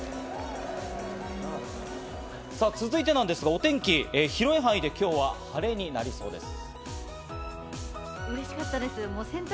さぁ続いてなんですがお天気、広い範囲で今日は晴れになりそうです。